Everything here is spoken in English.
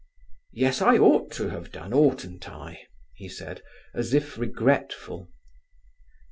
"Yes, I ought to have done, oughtn't I?" he said, as if regretful.